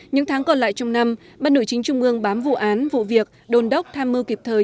những tháng còn lại trong năm ban nội chính trung ương bám vụ án vụ việc đồn đốc tham mưu kịp thời